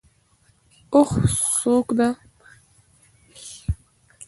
اوښ څوکه ده.